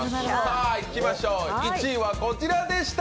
１位はこちらでした！